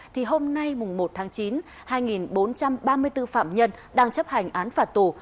thì hôm nay một tháng chín hai bốn trăm ba mươi bốn phạm nhân đang chấp hành án phạt tù